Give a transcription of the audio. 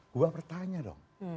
gua pertanya dong